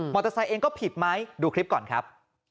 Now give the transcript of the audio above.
เตอร์ไซค์เองก็ผิดไหมดูคลิปก่อนครับ